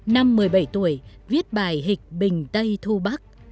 năm một mươi bảy tuổi viết bài hịch bình tây thu bắc